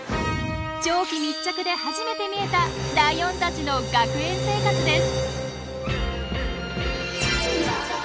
長期密着で初めて見えたライオンたちの学園生活です。